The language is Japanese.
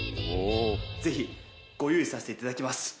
ぜひご融資させていただきます。